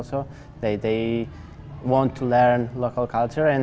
mereka ingin belajar kultur asing